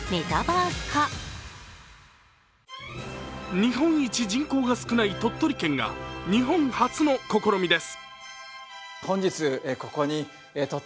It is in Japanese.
日本一人口が少ない鳥取県が、日本初の試みです。